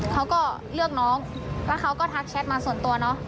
เขาก็เลือกน้องแล้วเขาก็ทักแชทมาส่วนตัวเนาะ